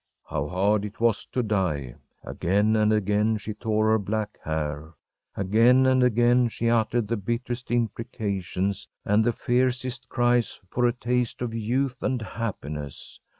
How hard it was to die! Again and again she tore her black hair. Again and again she uttered the bitterest imprecations and the fiercest cries for a taste of youth and happiness.